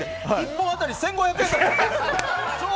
１本当たり１５００円。